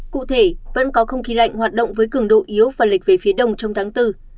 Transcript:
cụ thể vẫn có không khí lạnh hoạt động với cường độ yếu và lịch về phía đông trong tháng bốn